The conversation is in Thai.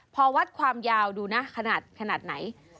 พอวัดความยาวดูนะขนาดไหน